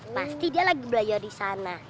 pasti dia lagi belajar di sana